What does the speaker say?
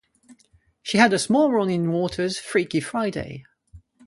She had a small role in Waters' "Freaky Friday".